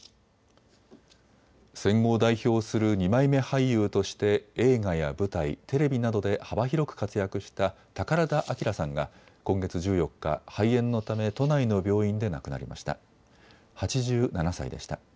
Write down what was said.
戦後を代表する二枚目俳優として映画や舞台、テレビなどで幅広く活躍した宝田明さんが今月１４日、肺炎のため都内の病院で亡くなりました。